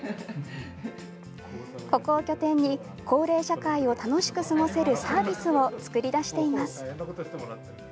ここを拠点に高齢社会を楽しく過ごせるサービスを作り出しています。